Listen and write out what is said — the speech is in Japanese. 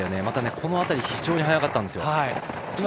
また、この辺りで非常に速かったんですよ。